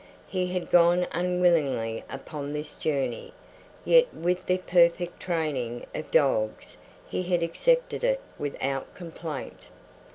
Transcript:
He had gone unwillingly upon this journey, yet with the perfect training of dogs he had accepted it without complaint.